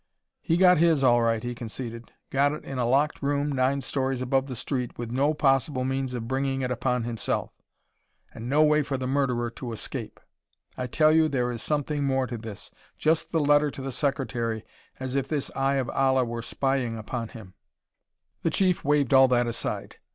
"He got his, all right," he conceded, " got it in a locked room nine stories above the street, with no possible means of bringing it upon himself and no way for the murderer to escape. I tell you there is something more to this: just the letter to the Secretary, as if this Eye of Allah were spying upon him " The Chief waved all that aside.